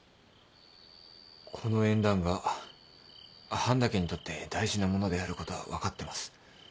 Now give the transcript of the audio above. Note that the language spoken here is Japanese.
この縁談が半田家にとって大事なものであることは分かってます。